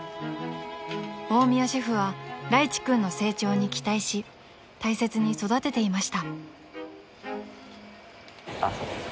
［大宮シェフはらいち君の成長に期待し大切に育てていました］